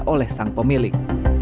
oleh sang pemilik